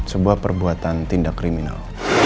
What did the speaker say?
sebuah perbuatan tindak kriminal